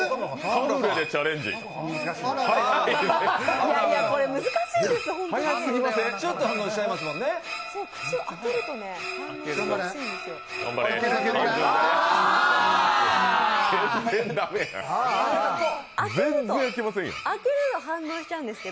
いやいやこれ難しすぎるんですよ。